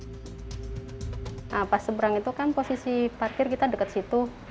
nah pas seberang itu kan posisi parkir kita dekat situ